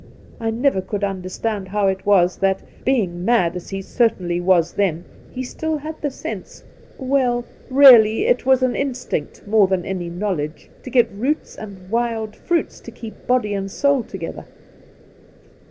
I never could understand how it was that, being mad as he certainly was then, he had still the sense — well, really it was an instinct more than any knowledge — to get roots and wild fruits to keep body and souL together